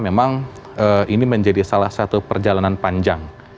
memang ini menjadi salah satu perjalanan panjang